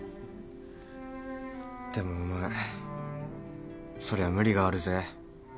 でもお前そりゃ無理があるぜ。